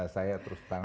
saya terus tanggung